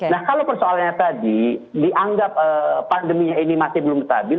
nah kalau persoalannya tadi dianggap pandeminya ini masih belum stabil